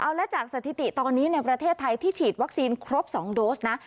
เอาแล้วจากสถิติตอนนี้ในประเทศไทยที่ฉีดวัคซีนครบ๒โดสนะ